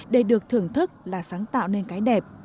để được thưởng thức là sáng tạo nên cái đẹp